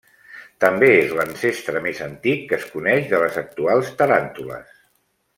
També és l'ancestre més antic que es coneix de les actuals taràntules.